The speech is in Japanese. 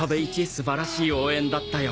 素晴らしい応援だったよ。